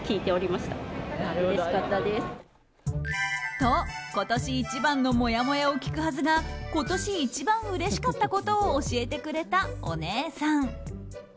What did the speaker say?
と、今年一番のもやもやを聞くはずが今年一番うれしかったことを教えてくれたお姉さん。